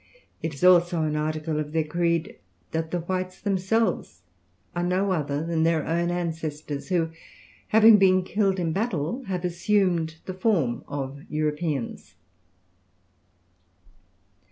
It is also an article of their creed that the whites themselves are no other than their own ancestors, who, having been killed in battle, have assumed the form of Europeans.